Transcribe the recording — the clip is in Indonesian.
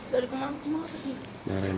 dari kemarin kemarin